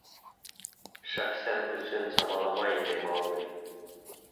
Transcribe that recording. Шәхсән көсөн самаламай ине Маугли.